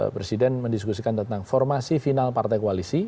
presiden mendiskusikan tentang formasi final partai koalisi